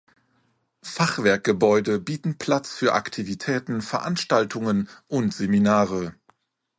Fachwerkgebäude bieten Platz für Aktivitäten, Veranstaltungen und Seminare.